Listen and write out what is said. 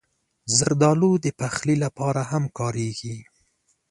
زردالو د پخلي لپاره هم کارېږي.